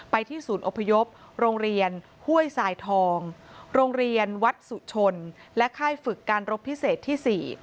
ที่ศูนย์อพยพโรงเรียนห้วยสายทองโรงเรียนวัดสุชนและค่ายฝึกการรบพิเศษที่๔